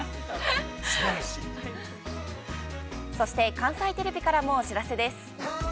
◆そして、関西テレビからもお知らせです。